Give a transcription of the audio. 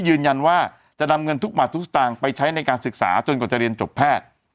ยืนยันว่าจะนำเงินทุกบาททุกสตางค์ไปใช้ในการศึกษาจนกว่าจะเรียนจบแพทย์